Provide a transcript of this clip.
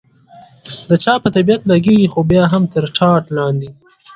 د چا په طبیعت لګېږي، خو بیا هم تر ټاټ لاندې.